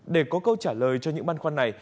để có câu trả lời cho những băn khoăn này